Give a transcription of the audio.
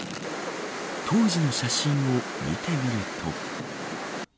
当時の写真を見てみると。